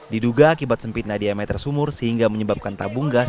diduga akibat sempitnya diameter sumur sehingga menyebabkan tabung gas